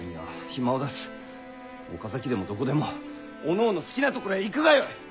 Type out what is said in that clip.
岡崎でもどこでもおのおの好きな所へ行くがよい！